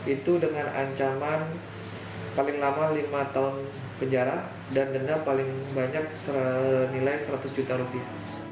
itu dengan ancaman paling lama lima tahun penjara dan denda paling banyak senilai seratus juta rupiah